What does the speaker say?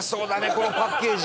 このパッケージ。